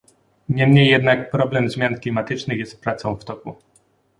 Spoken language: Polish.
Niemniej jednak problem zmian klimatycznych jest pracą w toku